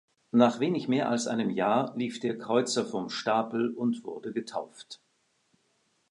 Nach wenig mehr als einem Jahr lief der Kreuzer vom Stapel und wurde getauft.